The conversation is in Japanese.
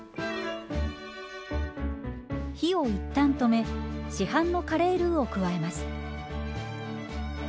火を一旦止め市販のカレールウを加えます。